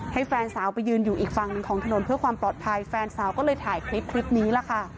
แฟนสาวไปยืนอยู่อีกฝั่งหนึ่งของถนนเพื่อความปลอดภัยแฟนสาวก็เลยถ่ายคลิปนี้ล่ะค่ะ